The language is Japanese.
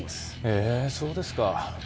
へぇそうですか。